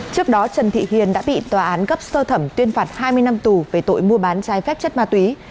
trước đó trần thị hiền đã bị tòa án cấp sơ thẩm tuyên phạt hai mươi năm tù về tội mua bán trái phép chất ma túy